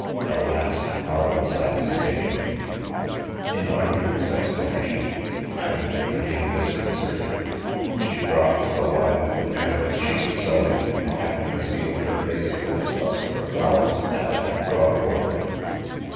. Alas ! how was I mistaken! 5 "..,.. In uttering this exclamation, Idomen became disconcerted. She dropped, awhile, the cam bric she was sewing, and half concealed her face with a cluster of flowers that I had brought for her.